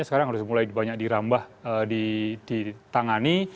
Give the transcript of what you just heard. sekarang harus mulai banyak dirambah ditangani